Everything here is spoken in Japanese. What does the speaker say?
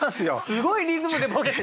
すごいリズムでボケて。